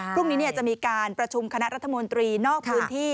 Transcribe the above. พรุ่งนี้จะมีการประชุมคณะรัฐมนตรีนอกพื้นที่